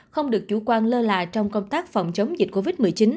không được chủ quan lơ là trong công tác phòng chống dịch covid một mươi chín